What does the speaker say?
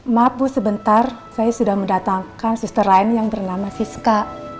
maaf bu sebentar saya sudah mendatangkan sister lain yang bernama siska